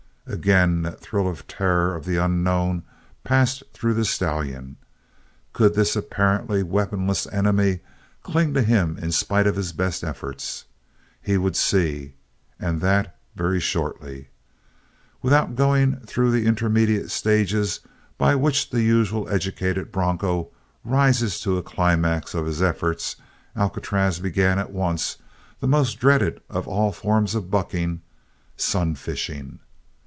Again that thrill of terror of the unknown passed through the stallion; could this apparently weaponless enemy cling to him in spite of his best efforts? He would see, and that very shortly. Without going through the intermediate stages by which the usual educated bronco rises to a climax of his efforts, Alcatraz began at once that most dreaded of all forms of bucking sun fishing.